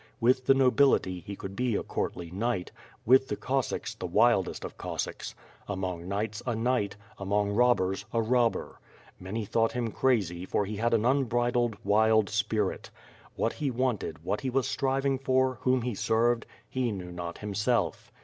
With the nobility he could be a courtly knight, with the Cossacks, the wildest of Cossacks, among knights, a knight, among robbers, a robber. Many thought him crazy for he had an unbridled, wild spirit. Why he lived in the world, what he wanted, what he was striving for, whom he served, — ^he knew not him self.